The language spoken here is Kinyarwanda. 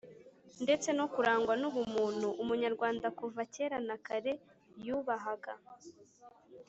ndetse no kurangwa n’ubumuntu. umunyarwanda kuva kera na kare yubahaga